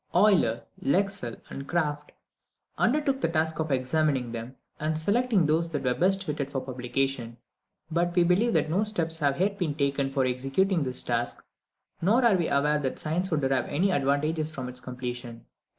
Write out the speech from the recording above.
Euler, Lexell, and Kraft undertook the task of examining them, and selecting those that were best fitted for publication, but we believe that no steps have yet been taken for executing this task, nor are we aware that science would derive any advantage from its completion.